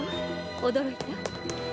驚いた？